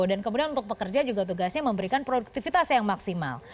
dan kemudian untuk pekerja juga tugasnya memberikan produktivitas yang maksimal